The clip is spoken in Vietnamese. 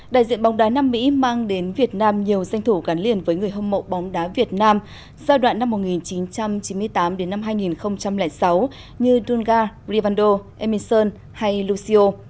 đại diện bóng đá nam mỹ mang đến việt nam nhiều danh thủ gắn liền với người hâm mộ bóng đá việt nam giai đoạn năm một nghìn chín trăm chín mươi tám hai nghìn sáu như dungar rivando emerson hay lucio